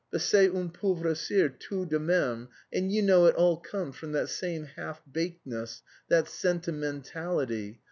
But c'est un pauvre sire, tout de même.... And you know it all comes from that same half bakedness, that sentimentality.